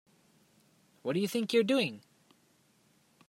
What do you think you're doing?